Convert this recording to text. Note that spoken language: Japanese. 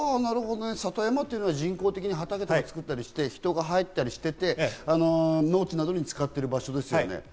里山は人工的に畑などを作って、人が入ったりしていて農地などに使っている場所ですね。